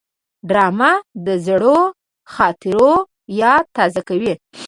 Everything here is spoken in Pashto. ډرامه د زړو خاطرو یاد تازه کوي